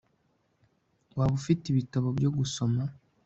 waba ufite ibitabo byo gusoma